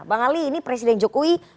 bang ali ini presiden jokowi